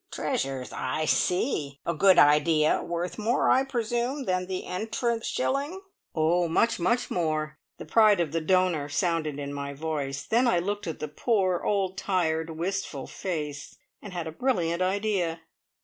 "Treasures I see! A good idea. Worth more, I presume, than the entrance shilling?" "Oh, much, much more." The pride of the donor sounded in my voice; then I looked at the poor, old, tired, wistful face, and had a brilliant idea.